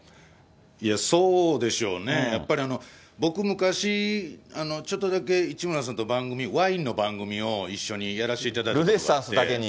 いやそうでしょうね、やっぱり僕、昔、ちょっとだけ市村さんと番組、ワインの番組を一緒にやらせていただいていただけに。